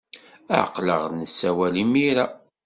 Aql-aɣ nessawal imir-a.